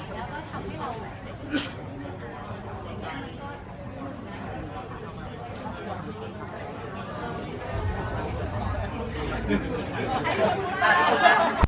สวัสดีครับสวัสดีครับ